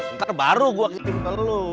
ntar baru gue kirim ke lu